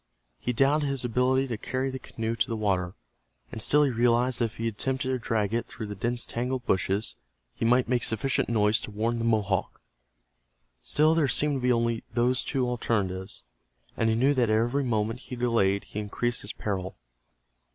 He doubted his ability to carry the canoe to the water, and still he realized that if he attempted to drag it through the dense tangle of bushes he might make sufficient noise to warn the Mohawk. Still there seemed to be only those two alternatives, and he knew that every moment he delayed he increased his peril.